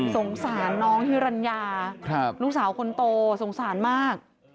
สงสารน้องฮิรัญญาลูกสาวคนโตสงสารมาก